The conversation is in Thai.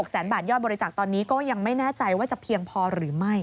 แสนบาทยอดบริจาคตอนนี้ก็ยังไม่แน่ใจว่าจะเพียงพอหรือไม่